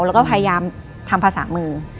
แล้วก็พยายามทำภาษามือ